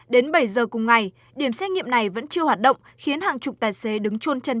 đến bảy giờ cùng ngày điểm xét nghiệm này vẫn chưa hoạt động khiến hàng chục tài xế đứng trôn chân